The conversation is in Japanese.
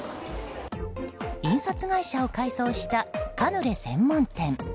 印刷会社を改装したカヌレ専門店。